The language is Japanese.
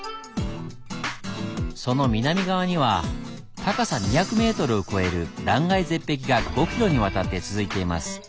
その南側には高さ２００ｍを超える断崖絶壁が５ｋｍにわたって続いています。